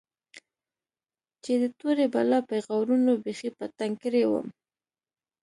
چې د تورې بلا پيغورونو بيخي په تنگ کړى وم.